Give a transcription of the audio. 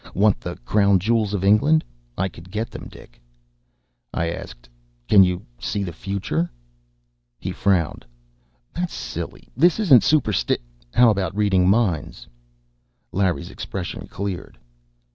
Want the Crown Jewels of England? I could get them, Dick!" I asked, "Can you see the future?" He frowned. "That's silly. This isn't supersti " "How about reading minds?" Larry's expression cleared.